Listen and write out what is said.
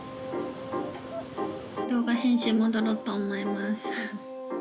動画編集戻ろうと思います。